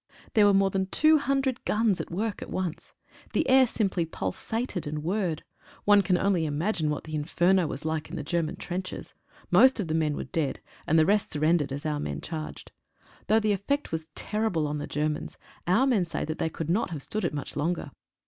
There were more than 200 guns at work at once. The air simply pulsated and whirred. One can only imagine what the inferno was like in the German ternches. Most of the men were dead, and the rest surrendered as our men charged. Though the effect was terrible on the Germans, our men say that they could not have stood it much longer.